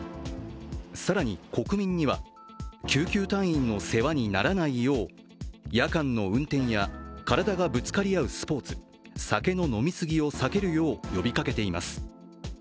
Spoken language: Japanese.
更に国民には、救急隊員の世話にならないよう夜間の運転や体がぶつかり合うスポーツ酒の飲み過ぎを避けるよう呼びかけています。